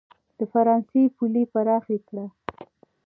د فرانسې پولې پراخې کړي.